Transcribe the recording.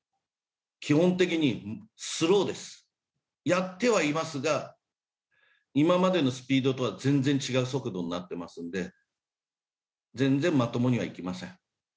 やってはいますが、今までのスピードとは全然違う速度になっていますので、全然まともにはいきません。